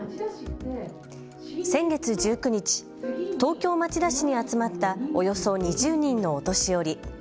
先月１９日、東京・町田市に集まったおよそ２０人のお年寄り。